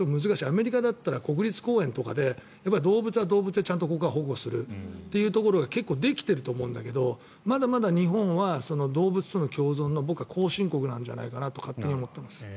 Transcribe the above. アメリカだったら国立公園とかで動物は動物でちゃんと保護するというところは結構できていると思うんだけどまだまだ日本は動物との共存の僕は後進国なんじゃないかなと勝手に思っています。